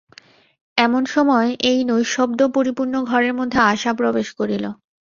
এমন সময় এই নৈঃশব্দ্যপরিপূর্ণ ঘরের মধ্যে আশা প্রবেশ করিল।